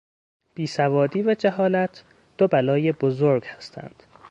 بیسوادی و جهالت دوبلای بزرگ هستند.